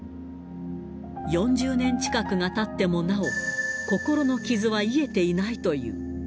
４０年近くがたってもなお、心の傷は癒えていないという。